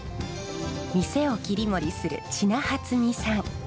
店を切り盛りする知名初美さん。